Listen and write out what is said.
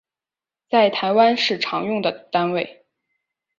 在台湾是常用的单位